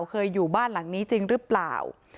เคยอยู่บ้านหลังนี้จริงหรือเปล่า